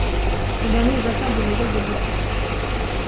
Ce dernier est vassal de l'évêque de Dorpat.